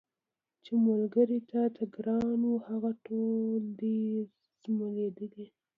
چي ملګري تاته ګران وه هغه ټول دي زمولېدلي